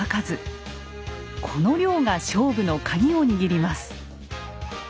この量が勝負の鍵を握ります。